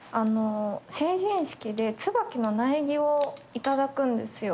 成人式でつばきの苗木を頂くんですよ。